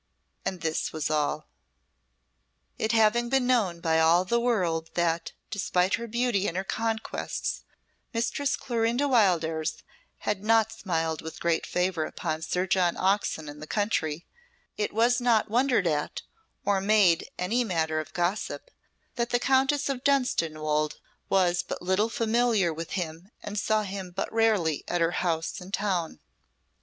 And this was all. It having been known by all the world that, despite her beauty and her conquests, Mistress Clorinda Wildairs had not smiled with great favour upon Sir John Oxon in the country, it was not wondered at or made any matter of gossip that the Countess of Dunstanwolde was but little familiar with him and saw him but rarely at her house in town.